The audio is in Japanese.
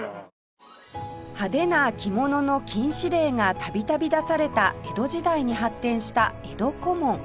派手な着物の禁止令が度々出された江戸時代に発展した江戸小紋